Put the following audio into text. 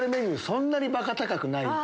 そんなにバカ高くない。